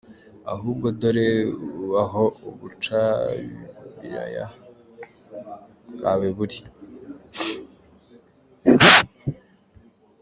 Ahubwo dore aho ubucabiraya bwawe buri.